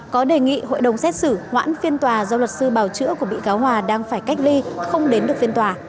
có đề nghị hội đồng xét xử hoãn phiên tòa do luật sư bào chữa của bị cáo hòa đang phải cách ly không đến được phiên tòa